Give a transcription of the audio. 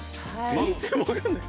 全然分かんない。